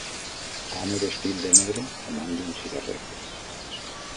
Home vestit de negre fumant un cigarret.